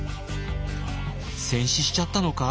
戦死しちゃったのか？